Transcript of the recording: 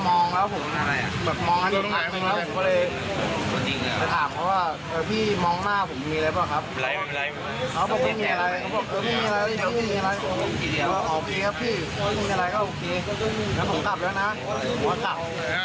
มองหน้าเพียงุนแต่เขาทำอะไรบ้าง